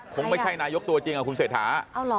คงไม่ใช่นายกตัวจริงคุณเศรษฐา